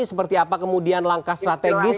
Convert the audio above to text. seperti apa kemudian langkah strategis